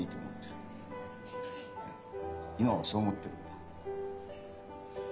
いや今はそう思ってるんだ。